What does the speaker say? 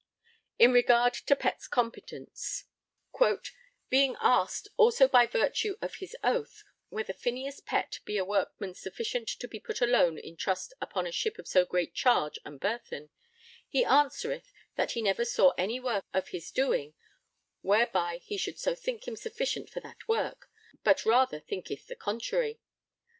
In regard to Pett's competence: Being asked, also by virtue of his oath, whether Phineas Pett be a workman sufficient to be put alone in trust upon a ship of so great charge and burthen, he answereth that he never saw any work of his doing whereby he should so think him sufficient for that work, but rather thinketh the contrary.